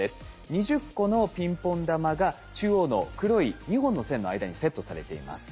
２０個のピンポン玉が中央の黒い２本の線の間にセットされています。